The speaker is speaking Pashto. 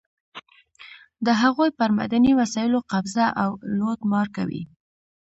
د هغوی پر معدني وسایلو قبضه او لوټمار کوي.